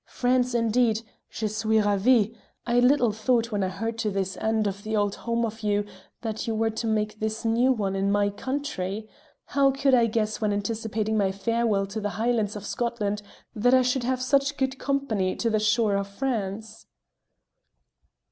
France, indeed! Je suis ravi! I little thought when I heard of this end to the old home of you that you were to make the new one in my country; how could I guess when anticipating my farewell to the Highlands of Scotland that I should have such good company to the shore of France?"